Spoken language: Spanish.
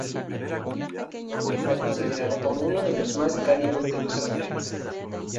Este distrito está considerado como uno de los más cálidos de Los Ángeles.